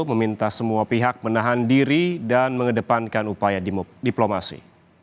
meminta semua pihak menahan diri dan mengedepankan upaya diplomasi